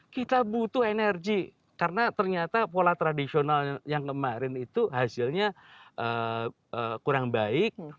kita butuh energi karena ternyata pola tradisional yang kemarin itu hasilnya kurang baik